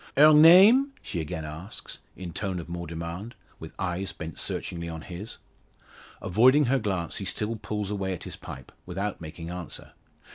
"Her name?" she again asks, in tone of more demand, her eyes bent searchingly on his. Avoiding her glance, he still pulls away at his pipe, without making answer.